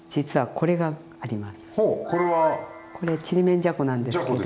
これちりめんじゃこなんですけど。